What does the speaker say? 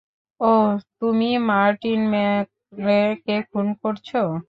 ওহ তুমিই মার্টিন মেক্রে কে খুন করছো।